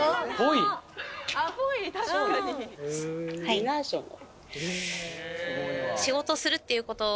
ディナーショーの。